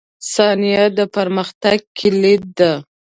• ثانیه د پرمختګ کلید ده.